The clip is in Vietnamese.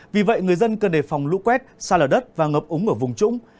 vì vậy người dân cần đề phòng lũ quét xa lở đất và ngập úng ở vùng trũng